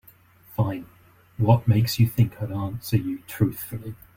Fine, what makes you think I'd answer you truthfully?